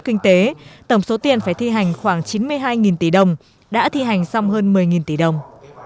kinh tế tổng số tiền phải thi hành khoảng chín mươi hai tỷ đồng đã thi hành xong hơn một mươi tỷ đồng